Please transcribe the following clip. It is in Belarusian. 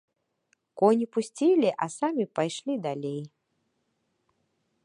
Коні пусцілі, а самі пайшлі далей.